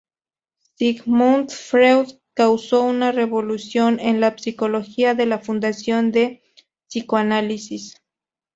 Sigmund Freud causó una revolución en la psicología con la fundación del psicoanálisis.